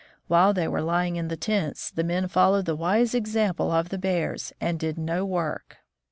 While they were lying in the tents, the men followed the wise example of the bears and did no work.